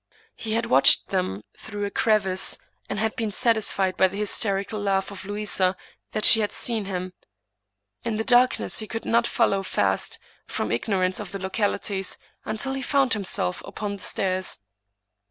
He had watched them through a crevice, and had been satisfied by the hysterical laugh of Louisa that she 132 Thomas De Quincey had seen him. In the darkness he could not follow fast^ from ignorance of the localities, until he found himself upoa the stairs.